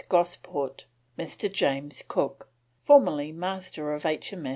Gosport, Mr. James Cook, formerly Master of H.